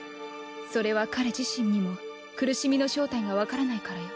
それは彼自身にも苦しみの正体がわからないからよ。